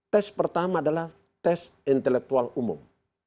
tes pertama adalah tes intelektual umum